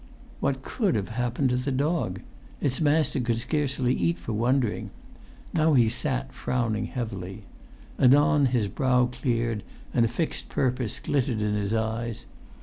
What could have happened to the dog? Its master could scarcely eat for wondering. Now he sat frowning heavily. Anon his brow cleared, and a fixed purpose glittered in his eyes.